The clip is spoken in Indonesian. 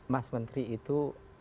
mas menteri itu